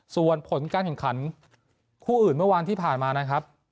ส่วนผลการแข่งขันคู่อื่นเมื่อวานที่ผ่านมานะครับ